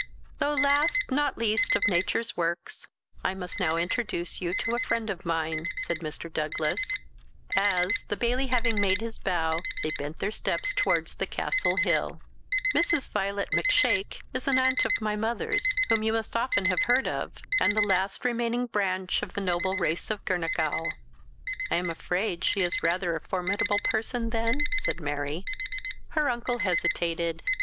"THOUGH last, not least of nature's works, I must now introduce you to a friend of mine," said Mr. Douglas, as, the Bailie having made his bow, they bent their steps towards the Castle Hill. "Mrs. Violet Macshake is an aunt of my mother's, whom you must often have heard of, and the last remaining branch of the noble race of Girnachgowl." "I am afraid she is rather a formidable person, then?" said Mary. Her uncle hesitated.